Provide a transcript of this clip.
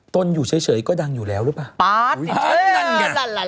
ตนอยู่เฉยก็ดังอยู่แล้วหรือเปล่า